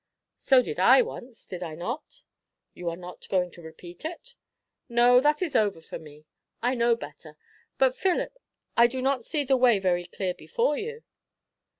"So did I once, did I not?" "You are not going to repeat it?" "No; that is over, for me. I know better. But, Philip, I do not see the way very clear before you."